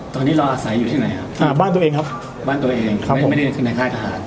ตอนนี้เราอาศัยอยู่ที่ไหนครับอ่าบ้านตัวเองครับบ้านตัวเองเขาก็ไม่ได้ขึ้นในค่ายทหาร